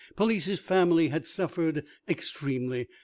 Palissy's family had suffered extremely.